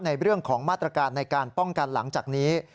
ในเรื่องของมาตรการในการป้องกันหลังจากนี้